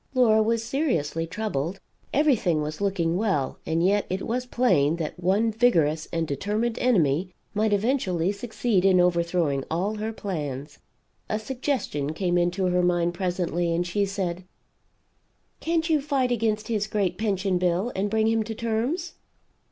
Laura was seriously troubled. Everything was looking well, and yet it was plain that one vigorous and determined enemy might eventually succeed in overthrowing all her plans. A suggestion came into her mind presently and she said: "Can't you fight against his great Pension bill and bring him to terms?"